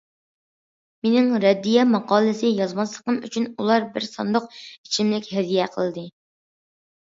مېنىڭ رەددىيە ماقالىسى يازماسلىقىم ئۈچۈن ئۇلار بىر ساندۇق ئىچىملىك ھەدىيە قىلدى.